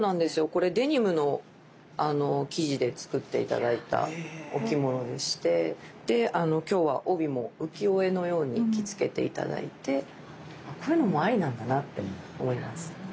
これデニムの生地で作って頂いたお着物でして今日は帯も浮世絵のように着付けて頂いてこういうのもありなんだなって思います。